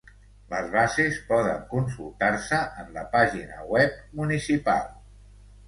Les bases poden consultar-se en la pàgina web municipal.